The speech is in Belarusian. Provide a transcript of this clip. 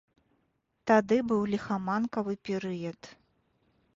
Тады быў ліхаманкавы перыяд.